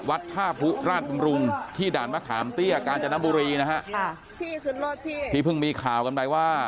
วัดท่าผู้ราชบำรุงที่ด่านมะขามเตี้ยกาญจนบุรีนะฮะค่ะที่เพิ่งมีข่าวกันไปว่า